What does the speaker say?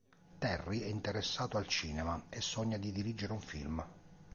Terry è interessato al cinema e sogna di dirigere un film.